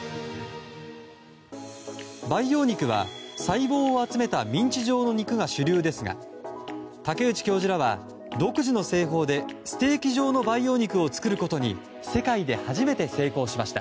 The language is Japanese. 培養肉は、細胞を集めたミンチ状の肉が主流ですが竹内教授らは、独自の製法でステーキ状の培養肉を作ることに世界で初めて成功しました。